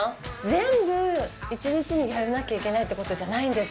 全部一日にやらなきゃいけないって事じゃないんです。